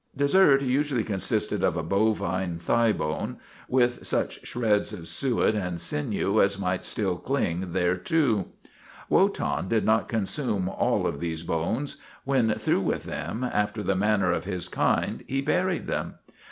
Dessert usually consisted of a bovine thigh bone with such shreds of suet and sinew as might still cling thereto. Wotan did not consume all of these bones. When through with them, after the manner of his kind, he buried them.